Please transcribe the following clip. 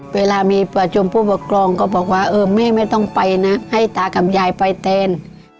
เวลามีประชุมผู้ปกครองก็บอกว่าเออแม่ไม่ต้องไปนะให้ตากับยายไปแทน